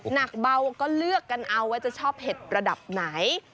หนักเบาก็เลือกกันเอาว่าจะชอบเห็ดระดับไหน